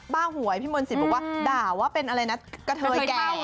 บ้าหวยพี่มณศิษย์บอกว่าด่าว่าเป็นอะไรนะกระเทยแก่